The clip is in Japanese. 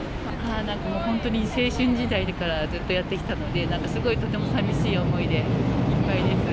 本当に青春時代からずっとやってきたので、なんかすごい、とてもさみしい思いでいっぱいです。